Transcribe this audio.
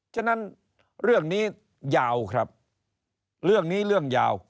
ฉะนั้นเรื่องนี้ยาวครับเรื่องนี้เรื่องยาว